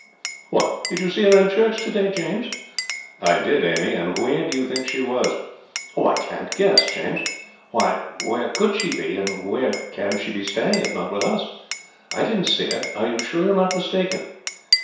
"What! Did you see her in church to day, James?" "I did, Amy; and where do you think she was?" "I can't guess, James. Why, where could she be, and where can she be staying if not with us? I didn't see her. Are you sure you are not mistaken?"